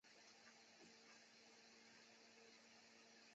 每日提供服务。